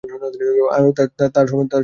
তার সম্মান রেখে দিও।